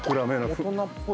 大人っぽい。